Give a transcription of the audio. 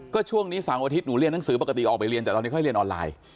ก็ช่วงนี้เสาร์อาทิตย์หนูเรียนหนังสือปกติออกไปเรียนแต่ตอนนี้ค่อยเรียนออนไลน์